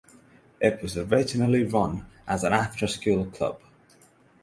It was originally run as an after school club.